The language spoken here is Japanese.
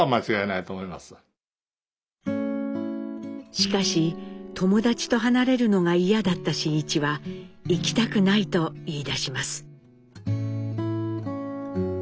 しかし友達と離れるのが嫌だった真一は行きたくないと言いだします。